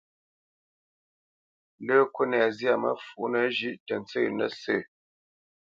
Lə́ kúnɛ zyâ məfǔʼnə zhʉ̌ʼ tə ntsə́ nə̂ sə̂.